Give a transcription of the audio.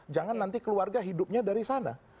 jangan nanti keluarga hidupnya dari sana